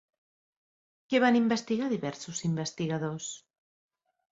Què van investigar diversos investigadors?